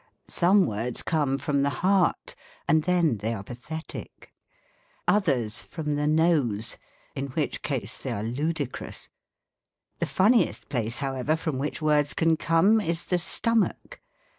Some words come from the heart, and then they are pathetic ; others from the nose, in which case they are ludicrous. The funniest place, however, from which words can come is the stomach.